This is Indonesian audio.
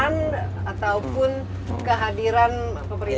tapi peran ataupun kehadiran pemerintah